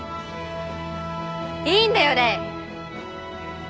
いいんだよレイ。